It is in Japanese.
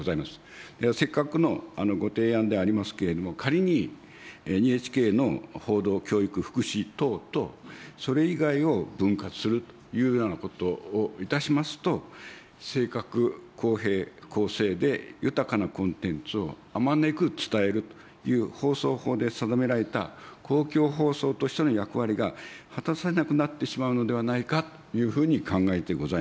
せっかくのご提案でありますけれども、仮にＮＨＫの報道、教育、福祉等と、それ以外を分割するというようなことをいたしますと、正確、公平、公正で豊かなコンテンツをあまねく伝えるという放送法で定められた公共放送としての役割が果たせなくなってしまうのではないかというふうに考えてございます。